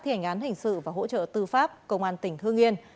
thi hành án hình sự và hỗ trợ tư pháp công an tỉnh hương yên